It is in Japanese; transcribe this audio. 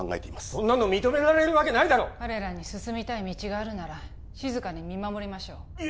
そんなの認められるわけないだろ彼らに進みたい道があるなら静かに見守りましょういえ